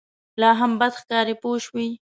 لا هم بد ښکاري پوه شوې!.